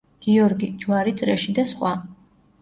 გიორგი, ჯვარი წრეში და სხვა.